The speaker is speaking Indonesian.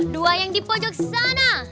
dua yang di pojok sana